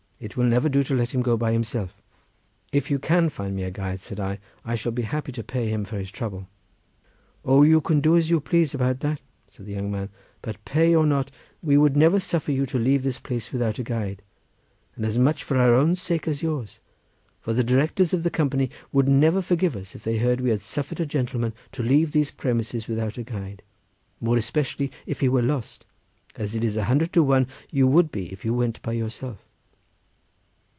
It will never do to let him go by himself." "If you can find me a guide," said I, "I shall be happy to pay him for his trouble." "O, you can do as you please about that," said the young man; "but, pay or not, we would never suffer you to leave this place without a guide, and as much for our own sake as yours, for the directors of the company would never forgive us if they heard we had suffered a gentleman to leave these premises without a guide, more especially if he were lost, as it is a hundred to one you would be if you went by yourself."